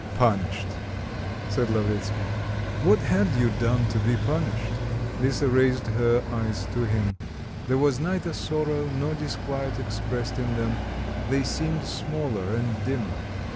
"Punished," said Lavretsky.... "What had you done to be punished?" Lisa raised her eyes to him. There was neither sorrow or disquiet expressed in them; they seemed smaller and dimmer.